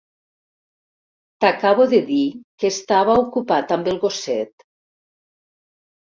T'acabo de dir que estava ocupat amb el gosset.